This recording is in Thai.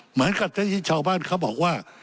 เหมือนกับที่ชาวบ้านเขาบอกว่า